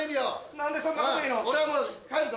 何でそんなこと言うの？